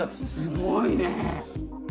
すごいね。